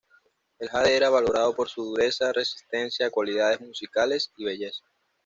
El jade era valorado por su dureza, resistencia, cualidades musicales, y belleza.